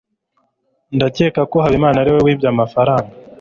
ndakeka ko habimana ariwe wibye amafaranga